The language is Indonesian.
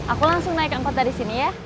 aku langsung naik angkot dari sini ya